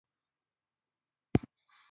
د کابل سیند د افغانانو ژوند اغېزمن کوي.